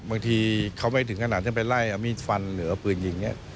บางทีเขาไม่ถึงขนาดที่ไปไล่เอามีดฟันหรือเอาปืนยิงเนี่ย